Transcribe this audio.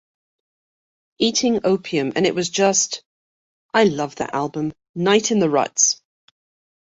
Eating opium and it was just...I love that album - "Night in the Ruts".